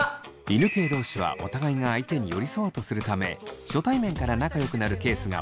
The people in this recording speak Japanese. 犬系同士はお互いが相手に寄り添おうとするため初対面から仲良くなるケースが多いといいます。